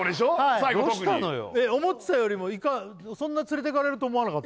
最後特にはい思ってたよりもそんな連れてかれると思わなかった？